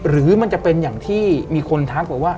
หรือมันจะเป็นอย่างที่มีคนทักไปว่า